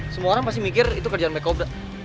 semua orang pasti mikir itu kerjaan mereka obat